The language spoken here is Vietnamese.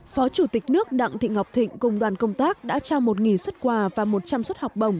phó chủ tịch nước đặng thị ngọc thịnh cùng đoàn công tác đã trao một xuất quà và một trăm linh suất học bổng